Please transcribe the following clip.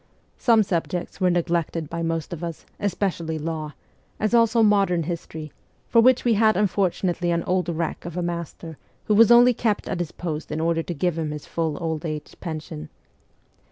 Some subjects were neglected by most of us, especially law, as also modern history, for which we had unfortunately an old wreck of a master who was only kept at his post in order to give him his full old age pension.